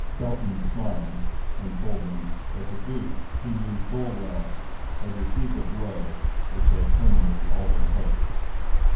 Felton smiled, and told them, that the duke, he knew full well, had received a blow which had terminated all their hopes.